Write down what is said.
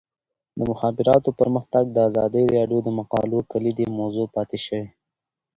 د مخابراتو پرمختګ د ازادي راډیو د مقالو کلیدي موضوع پاتې شوی.